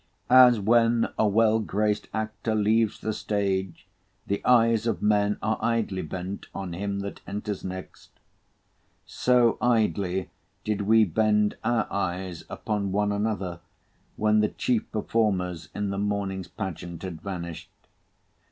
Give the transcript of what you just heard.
As when a well graced actor leaves the stage, The eyes of men Are idly bent on him that enters next, so idly did we bend our eyes upon one another, when the chief performers in the morning's pageant had vanished.